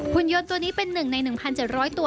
หุ่นยนต์ตัวนี้เป็นหนึ่งใน๑๗๐๐ตัว